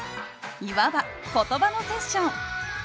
いわば言葉のセッション。